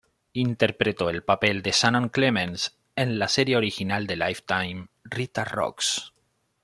Interpretó el papel de Shannon Clemens en la serie original de Lifetime "Rita Rocks".